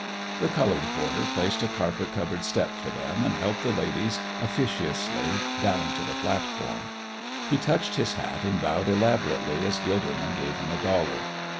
The colored porter placed a carpet covered step for them, and helped the ladies officiously down to the platform. He touched his hat and bowed elaborately as Gilderman gave him a dollar.